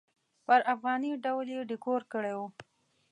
پر افغاني ډول یې ډیکور کړی و.